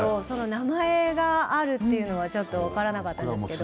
名前があるというのはちょっと分からなかったです。